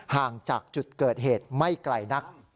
ห่างจากจุดเกิดเหตุไม่ไกลนัก